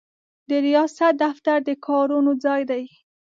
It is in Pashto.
د ریاست دفتر د کارونو ځای دی.